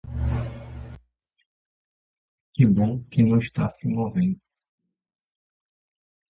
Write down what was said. Quem é bom que não está se movendo.